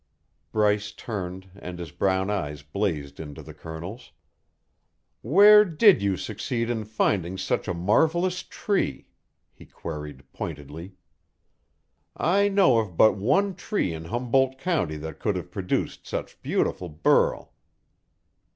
Bryce turned and his brown eyes blazed into the Colonel's. "Where DID you succeed in finding such a marvellous tree?" he queried pointedly. "I know of but one tree in Humboldt County that could have produced such beautiful burl."